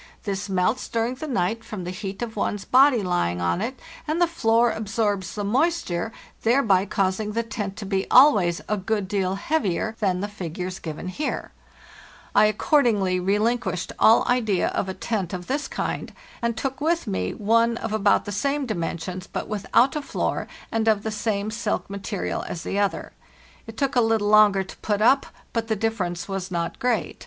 This melts during the night from the heat of one's body lying on it, and the floor absorbs the moisture, thereby causing the tent to be always a good deal heavier than the figures given here. 120 FARTHEST NORTH I accordingly relinquished all idea of a tent of this kind, and took with me one of about the same dimen sions, but without a floor, and of the same silk material as the other. It took a little longer to put up, but the difference was not great.